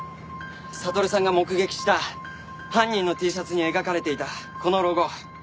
悟さんが目撃した犯人のＴシャツに描かれていたこのロゴ。